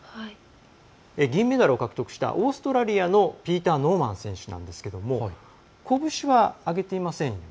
銀メダルを獲得したオーストラリアのピーター・ノーマン選手ですが拳は上げていません。